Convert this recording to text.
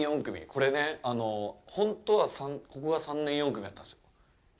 これね、ほんとはここが３年４組だったんですよ。